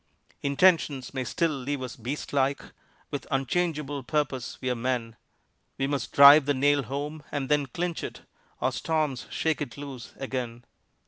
Intentions may still leave us beast like; With unchangeable purpose we're men. We must drive the nail home and then clinch it Or storms shake it loose again.